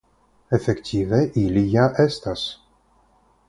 Efektive ili ja estas.